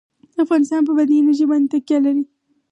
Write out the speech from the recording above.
افغانستان په بادي انرژي باندې تکیه لري.